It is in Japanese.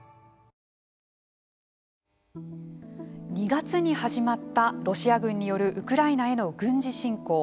２月に始まったロシア軍によるウクライナへの軍事侵攻。